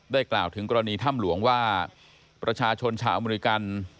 กล่าวถึงกรณีถ้ำหลวงว่าประชาชนชาวอเมริกัน